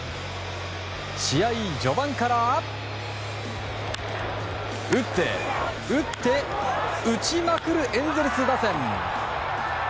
試合序盤から、打って、打って打ちまくるエンゼルス打線。